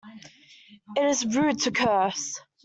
It is rude to curse.